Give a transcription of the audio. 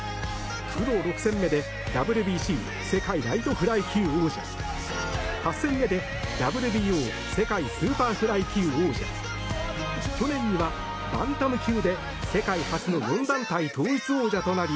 プロ６戦目でＷＢＣ世界ライトフライ級王者８戦目でＷＢＯ世界スーパーフライ級王者去年にはバンタム級で世界初の４団体統一王者となり